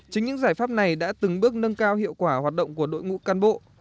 chính những giải pháp này đã từng bước nâng cao hiệu quả hoạt động của đội ngũ cán bộ